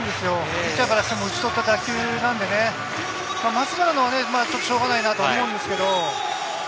ピッチャーからしても打ち取った打球ですから、松原のはしょうがないと思いますけど。